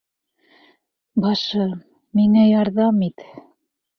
Башым, миңә ярҙам ит!